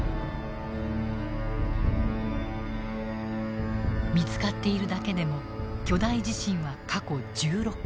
見つかっているだけでも巨大地震は過去１６回。